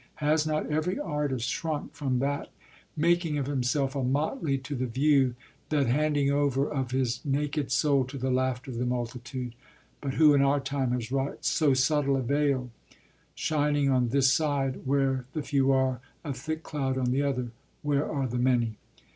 Has not every artist shrunk from that making of himself 'a motley to the view,' that handing over of his naked soul to the laughter of the multitude? but who in our time has wrought so subtle a veil, shining on this side, where the few are, a thick cloud on the other, where are the many?